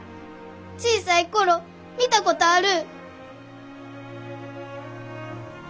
小さい頃見たことある！